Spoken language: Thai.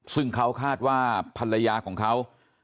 ซึ่งเขาคาดว่าภรรยาของเขา